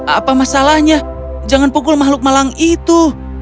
apa masalahnya jangan pukul makhluk malang itu